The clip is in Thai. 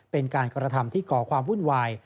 เป็นการกระทำที่ก่อความวุ่นวาย